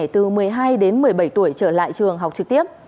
từ một mươi hai đến một mươi bảy tuổi trở lại trường học trực tiếp